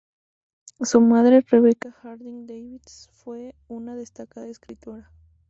Su madre Rebecca Harding Davis fue una destacada escritora.